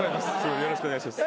よろしくお願いします。